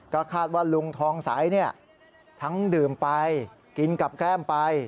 ก็คาดว่าลุงทองใสทั้งดื่มไปกินกับแก้มไป